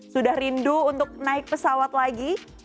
sudah rindu untuk naik pesawat lagi